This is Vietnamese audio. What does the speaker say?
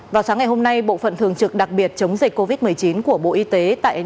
vào sáng ngày hôm nay bộ phận thường trực đặc biệt chống dịch covid một mươi chín của bộ y tế tại